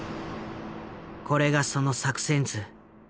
これがその作戦図。